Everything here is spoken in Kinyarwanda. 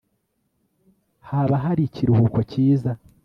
Haba hari ikiruhuko cyiza